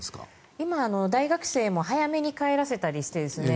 今、大学生も早めに帰らせたりしているんです